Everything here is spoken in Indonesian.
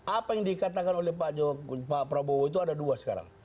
apa yang dikatakan oleh pak prabowo itu ada dua sekarang